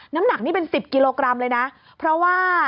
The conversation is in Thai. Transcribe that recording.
น้ำหนักนี่เป็น๑๐กิโลกรัมเลยนะเพราะว่า